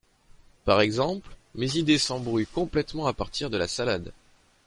Par exemple, mes idées s’embrouillent complètement à partir de la salade !